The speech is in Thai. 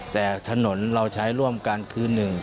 แต่ถนนเราใช้ร่วมกันคือ๑